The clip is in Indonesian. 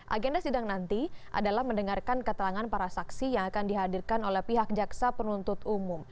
agenda sidang nanti adalah mendengarkan keterangan para saksi yang akan dihadirkan oleh pihak jaksa penuntut umum